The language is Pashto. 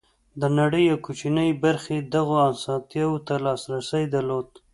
د نړۍ یوې کوچنۍ برخې دغو اسانتیاوو ته لاسرسی درلود.